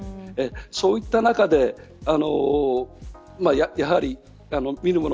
そういった中で見るもの